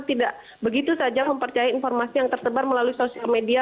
tidak begitu saja mempercayai informasi yang tersebar melalui sosial media